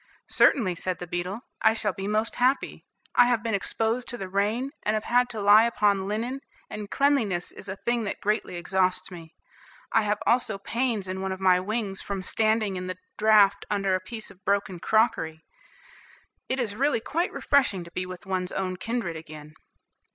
"Certainly," said the beetle, "I shall be most happy; I have been exposed to the rain, and have had to lie upon linen, and cleanliness is a thing that greatly exhausts me; I have also pains in one of my wings from standing in the draught under a piece of broken crockery. It is really quite refreshing to be with one's own kindred again."